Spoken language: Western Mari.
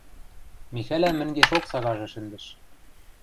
Михӓлӓм мӹнгешок сагажы шӹндӹш.